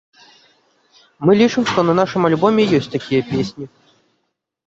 Мы лічым, што на нашым альбоме ёсць такія песні.